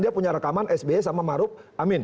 dia punya rekaman sby sama maruf amin